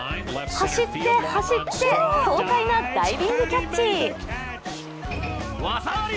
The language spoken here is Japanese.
走って、走って、爽快なダイビングキャッチ。